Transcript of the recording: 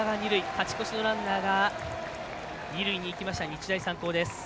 勝ち越しのランナーが二塁に行きました、日大三高。